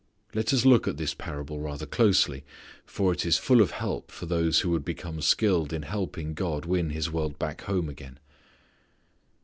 Let us look at this parable rather closely, for it is full of help for those who would become skilled in helping God win His world back home again.